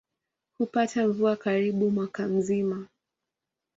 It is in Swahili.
Hupata mvua karibu mwaka mzima.